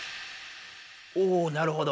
おなるほど。